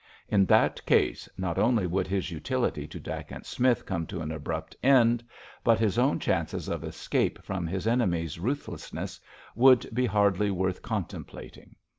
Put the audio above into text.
In that case not only would his utility to Dacent Smith come to an abrupt end, but his own chances of escape from his enemies' ruthlessness would be hardly worth contemplating.